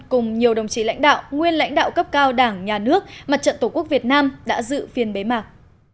cùng nhiều đồng chí lãnh đạo nguyên lãnh đạo cấp cao đảng nhà nước mặt trận tổ quốc việt nam đã dự phiên bế mạc